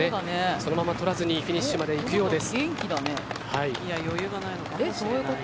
そのまま取らずにフィニッシュまで行くようです。